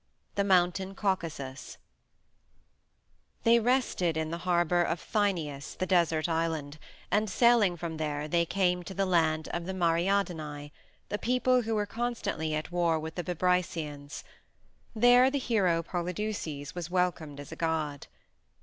THE MOUNTAIN CAUCASUS They rested in the harbor of Thynias, the desert island, and sailing from there they came to the land of the Mariandyni, a people who were constantly at war with the Bebrycians; there the hero Polydeuces was welcomed as a god.